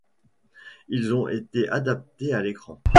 Ils ont été adaptés à l'écran.